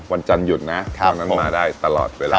วันจันทร์หยุดนะตอนนั้นมาได้ตลอดเวลา